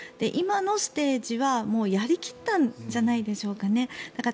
今のステージはやり切ったんじゃないかと思います。